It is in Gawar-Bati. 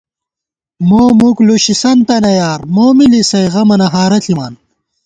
مو مُک لُشِنتَنہ یار، مو می لِسَئ غمَنہ ہارہ ݪِمان